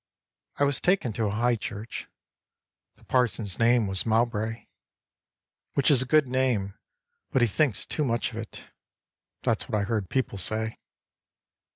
I was taken to a High Church; The parson's name was Mowbray, "Which is a good name but he thinks too much of it " That's what I heard people say.